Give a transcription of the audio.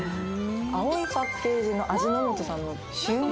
青いパッケージの味の素さんの焼売？